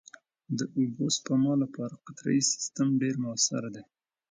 د اوبو سپما لپاره قطرهيي سیستم ډېر مؤثر دی.